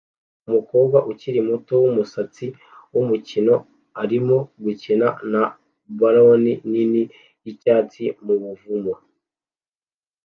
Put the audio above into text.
Umukobwa ukiri muto wumusatsi wumukino arimo gukina na ballon nini yicyatsi mubuvumo